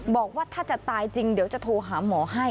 บอกว่าถ้าจะตายจริงเดี๋ยวจะโทรหาหมอให้